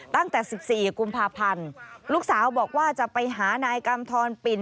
ตั้งแต่๑๔กุมภาพันธ์ลูกสาวบอกว่าจะไปหานายกำทรปิ่น